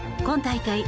今大会